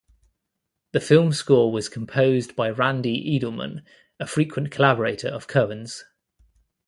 The film score was composed by Randy Edelman, a frequent collaborator of Cohen's.